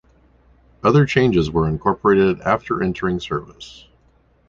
Other changes were incorporated after entering service.